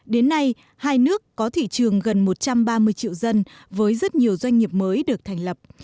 đến nay hai nước có thị trường gần một trăm ba mươi triệu dân với rất nhiều doanh nghiệp mới được thành lập